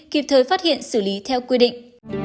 kịp thời phát hiện xử lý theo quy định